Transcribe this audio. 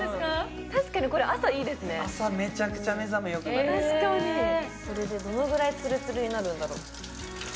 確かに朝めちゃくちゃこれでどのぐらいつるつるになるんだろう？